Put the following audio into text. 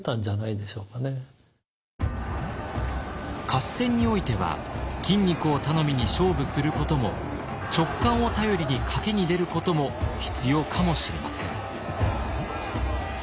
合戦においては筋肉を頼みに勝負することも直感を頼りに賭けに出ることも必要かもしれません。